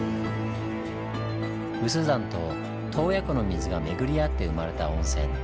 有珠山と洞爺湖の水が巡り会って生まれた温泉。